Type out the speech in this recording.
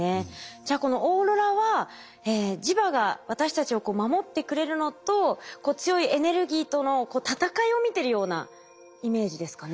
じゃあこのオーロラは磁場が私たちを守ってくれるのと強いエネルギーとの闘いを見てるようなイメージですかね。